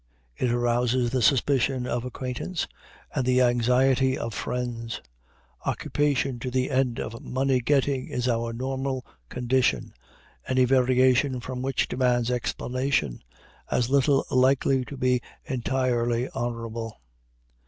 It arouses the suspicion of acquaintance and the anxiety of friends. Occupation to the end of money getting is our normal condition, any variation from which demands explanation, as little likely to be entirely honorable.